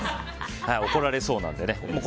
怒られそうなので。